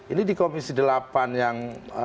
ini di komisi delapan yang